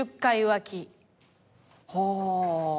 はあ。